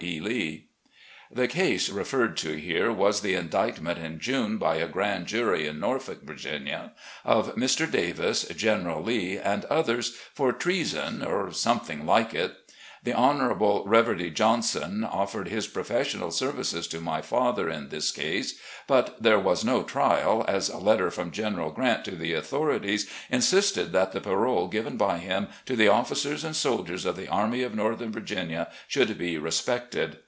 E. Lee." The "case" referred to here was the indictment in June by a grand jury in Norfolk, Virginia, of Mr. Davis, General Lee, and others, for treason or something like it. The Hon. Reverdy Johnson offered his professional services to my father in this case, but there was no trial, as a letter from General Grant to the authorities in * Mrs. Cocke's eldest son. A PRIVATE CITIZEN 175 sisted that the parole given by him to the ofEicers and soldiers of the Army of Northern Virginia should be respected.